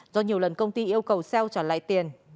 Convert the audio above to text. do nhiều lần công ty yêu cầu xeo trả lại tiền